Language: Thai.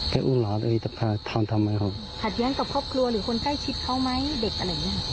แกก็หรือจะมีปัญหาทของคนขาดก่อนกับชีวิตค่ะ